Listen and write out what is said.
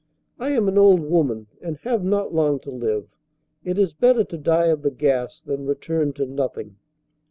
"I am an old woman and have not long to live. It is better to die of the gas than return to nothing."